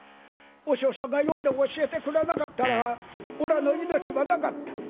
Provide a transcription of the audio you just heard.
和尚さんが読んで教えてくれなかったらおらの命はなかった」。